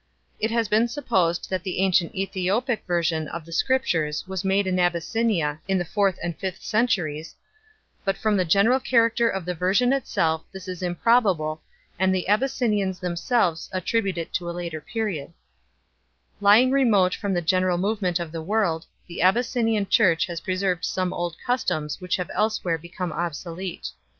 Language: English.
It has been supposed that the ancient ^thiopic version of the Scriptures was made in Abyssinia in the fourth and fifth centuries, " but from the general character of the version itself this is improbable, and the Abyssinians themselves attribute it to a later period 1 / Lying remote from the general movement of the world, the Abyssinian Church has preserved some old customs which have elsewhere be come obsolete.